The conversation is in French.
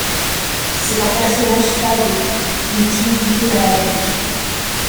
C'est un personnage falot d'une timidité maladive.